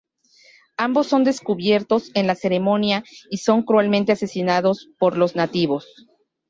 Ambos son descubiertos en la ceremonia y son cruelmente asesinados por los nativos.